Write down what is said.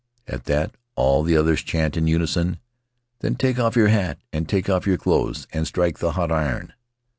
At that, all the others chant in unison, "Then take off your hat, and take off your clothes, and strike the hot iron."